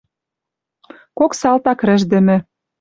Кок салтак рӹждӹмӹ